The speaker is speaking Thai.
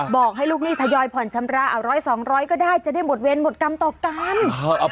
บอกให้ลูกหนี้ทยอยผ่อนชำระ๑๐๐๒๐๐ก็ได้จะได้หมดเวรหมดกรรมต่อกรรม